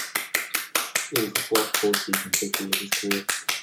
It was the fourth post-season victory of his career.